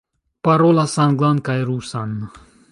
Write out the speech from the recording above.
Parolas anglan kaj rusan.